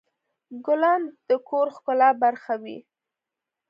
ګلان د کور د ښکلا برخه وي.